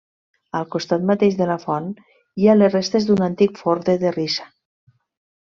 Al costat mateix de la font hi ha les restes d'un antic forn de terrissa.